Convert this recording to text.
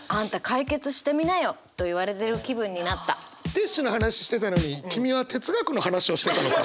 ティッシュの話してたのに君は哲学の話をしてたのか？